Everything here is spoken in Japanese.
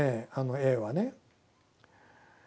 Ａはね。